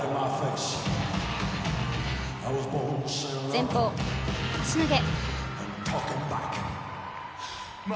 前方、足投げ。